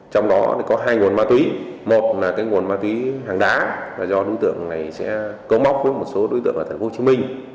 trong đó có hai nguồn ma túy một là nguồn ma túy hàng đá do đối tượng này sẽ cấu móc với một số đối tượng ở tp hcm